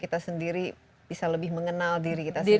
kita sendiri bisa lebih mengenal diri kita sendiri